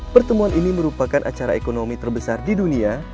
pertemuan ini merupakan acara ekonomi terbesar di dunia